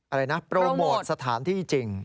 อะไรนะโปรโมทสถานที่จริง